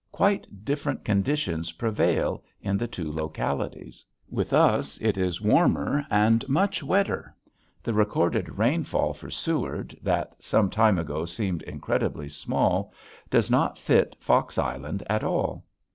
Quite different conditions prevail in the two localities. With us it is warmer and much wetter. The recorded rainfall for Seward, that some time ago seemed incredibly small, does not fit Fox Island at all.